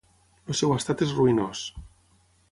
El seu estat és ruïnós.